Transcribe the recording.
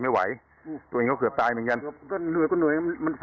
กูพูดมันมาสุนัขข้างล่างไม่เคย